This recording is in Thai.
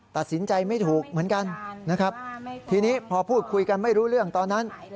ตัดสินใจไม่ถูกเหมือนกันนะครับทีนี้พอพูดคุยกันไม่รู้เรื่องตอนนั้น